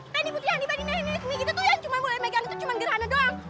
penny putri andi padina henni rizmi gitu tuh yang mulai megang itu cuma gerhana doang